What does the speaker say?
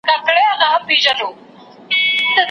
په انارګل کي چي د سرومیو پیالې وي وني